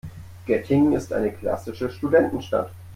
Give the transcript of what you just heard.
Göttingen ist eine klassische Studentenstadt.